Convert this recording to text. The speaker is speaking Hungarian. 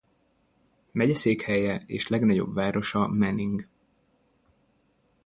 Megyeszékhelye és legnagyobb városa Manning.